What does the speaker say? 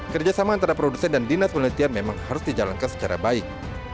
kerjasama antara produsen dan dinas penelitian memang harus dijalankan secara baik